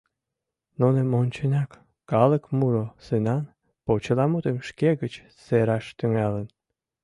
Нуным онченак, калык муро сынан почеламутым шке гыч сераш тӱҥалын.